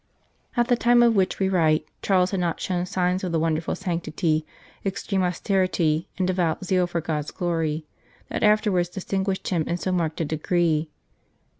At the time of which we write Charles had not shown signs of the wonderful sanctity, extreme austerity, and devout zeal for God s glory, that afterwards distinguished him in so marked a degree.